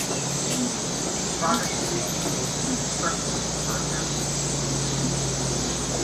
Projects to continue with the construction of the park have been cancelled.